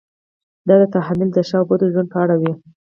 دا تحمیل د ښه او بد ژوند په اړه وي.